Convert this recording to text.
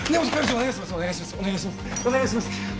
お願いします！